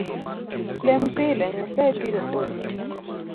Lem pile ,Nyasae biro konyi